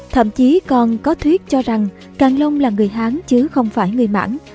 thậm chí còn có thuyết cho rằng càng long là người hán chứ không phải người mãng